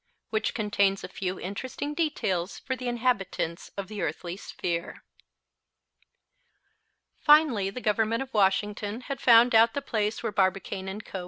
WHICH CONTAINS A FEW INTERESTING DETAILS FOR THE INHABITANTS OF THE EARTHLY SPHERE. Finally the Government of Washington had found out the place where Barbicane & Co.